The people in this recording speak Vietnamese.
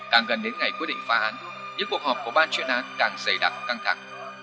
càng gần đến ngày quyết định phá án những cuộc họp của ban chuyên án càng dày đặc căng thẳng